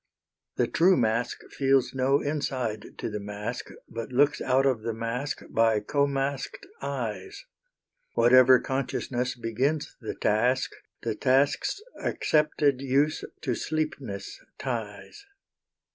The true mask feels no inside to the mask But looks out of the mask by co masked eyes. Whatever consciousness begins the task The task's accepted use to sleepness ties.